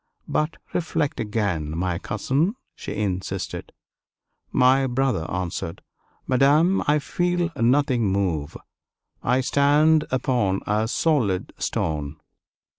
"But reflect again, my cousin," she insisted. My brother answered, "Madame, I feel nothing move. I stand upon a solid stone."